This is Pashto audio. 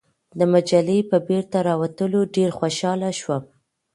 د مجلې په بیرته راوتلو ډېر خوشاله شوم.